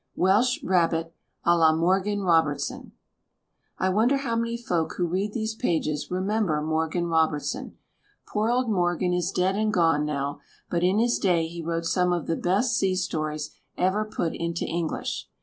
WELSH RABBIT A LA MORGAN ROBERTSON I wonder how many folk who read these pages re member Morgan Robertson. Poor old Morgan is dead and gone, now, but in his day he wrote some of the best sea stories ever put into English.